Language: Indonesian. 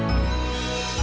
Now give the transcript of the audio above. tunggu aku mau